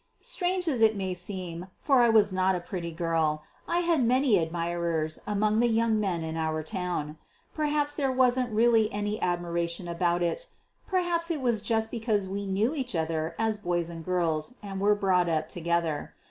Strange as it may seem, for I was not a pretty girl, I had many admirers among the young men in our town. Perhaps there wasn't really any admiration about it; perhaps it was just because we knew each other as boys and girls and were brought up together.